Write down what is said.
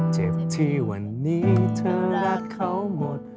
เจ็บที่วันนี้เธอรักเขาหมด